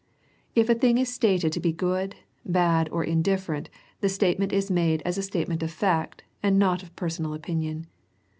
If a thing is stated to be good, bad or indifferent the statement is made as a statement of fact and not of personal opinion.